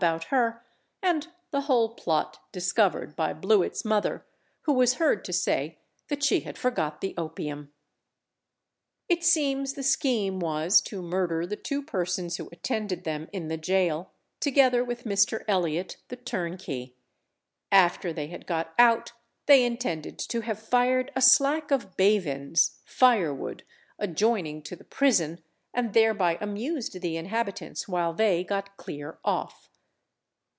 about her, and the whole plot discovered by Blewit's mother who was heard to say that she had forgot the opium. It seems the scheme was to murder the two persons who attended them in the gaol, together with Mr. Eliot, the turnkey; after they had got out they intended to have fired a slack of bavins [firewood] adjoining to the prison, and thereby amused the inhabitants while they got clear off.